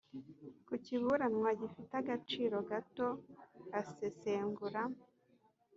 ku kiburanwa gifite agaciro gato asesengura